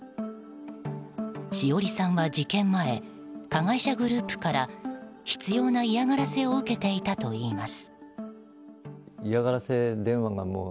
詩織さんは事件前加害者グループから執拗な嫌がらせを受けていたといいます。